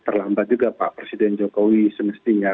terlambat juga pak presiden jokowi semestinya